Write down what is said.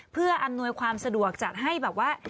เพื่ออำนวยความสะดวกจัดให้แบบว่า